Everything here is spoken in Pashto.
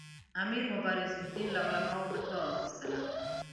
امیر مبارزالدین له علماوو فتوا واخیستله.